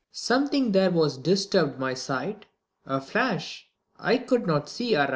TUIKD. Something there was disturbed my sight, — A flash : I eonld not see ari^t.